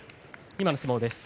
今の相撲です。